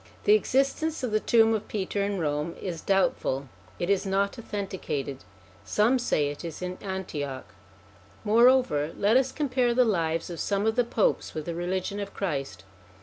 164 SOME CHRISTIAN SUBJECTS 155 The existence of the tomb of Peter in Rome is doubtful; it is not authenticated; some say it is in Antioch. Moreover, let us compare the lives of some of the Popes with the religion of Christ.